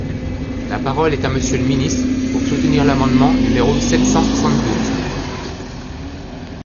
La parole est à Monsieur le ministre, pour soutenir l’amendement numéro sept cent soixante-douze.